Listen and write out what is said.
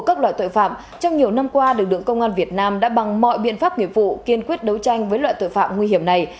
tội phạm của các loại tội phạm trong nhiều năm qua được được công an việt nam đã bằng mọi biện pháp nghiệp vụ kiên quyết đấu tranh với loại tội phạm nguy hiểm này